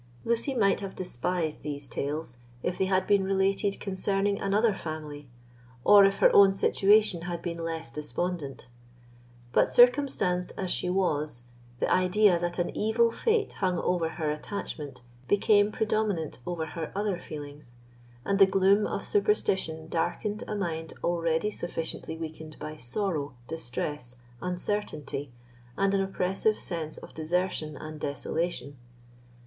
Lucy might have despised these tales if they had been related concerning another family, or if her own situation had been less despondent. But circumstanced as she was, the idea that an evil fate hung over her attachment became predominant over her other feelings; and the gloom of superstition darkened a mind already sufficiently weakened by sorrow, distress, uncertainty, and an oppressive sense of desertion and desolation.